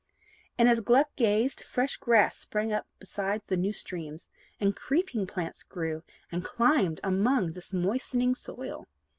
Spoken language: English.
And as Gluck gazed, fresh grass sprang beside the new streams, and creeping plants grew, and climbed among this moistening soil.